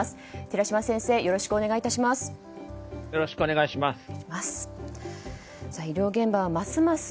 寺島先生よろしくお願いします。